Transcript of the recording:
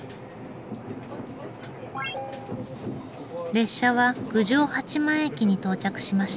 列車は郡上八幡駅に到着しました。